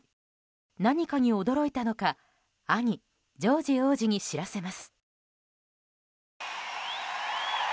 何かに驚いたのか兄・ジョージ王子に知らせます。